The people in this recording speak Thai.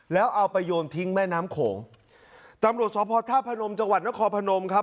แล้วเอาไปโยนทิ้งแม่น้ำโขงตำรวจสพธาตุพนมจังหวัดนครพนมครับ